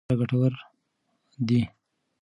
کلسیم د هډوکو لپاره ګټور دی.